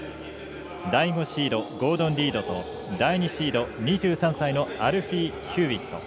第５シード、ゴードン・リードと第２シード、２３歳のアルフィー・ヒューウェット。